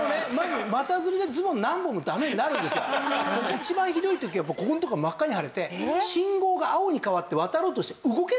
一番ひどい時はここんとこが真っ赤に腫れて信号が青に変わって渡ろうとして。